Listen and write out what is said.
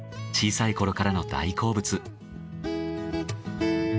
小さい頃からの大好物。